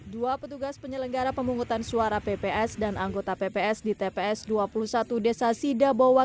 dua petugas penyelenggara pemungutan suara pps dan anggota pps di tps dua puluh satu desa sida bowa